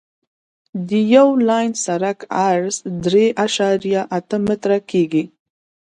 د یو لاین سرک عرض درې اعشاریه اته متره کیږي